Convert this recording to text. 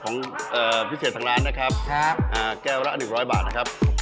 ของพิเศษทางร้านนะครับแก้วละ๑๐๐บาทนะครับ